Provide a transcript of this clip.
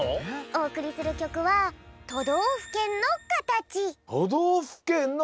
おおくりするきょくは「都道府県の」。